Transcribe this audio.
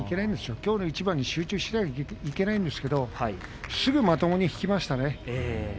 きょうの一番に集中しなければいけないんですけどそれで、まともに引きましたね。